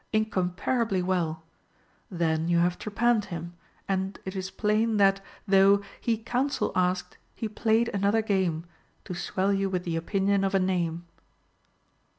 Incomparably well! — then you have trepanned him, and it is plain that, though He counsel asked, he played another game, To swell you with the opinion of a name.